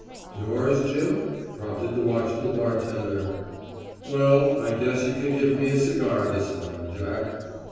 "Yours, Jim?" prompted the watchful bartender. "Well I guess you can give me a cigar this time, Jack."